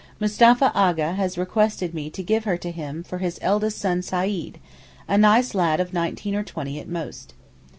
Mustapha A'gha has requested me to 'give her to him' for his eldest son Seyyid, a nice lad of nineteen or twenty at most.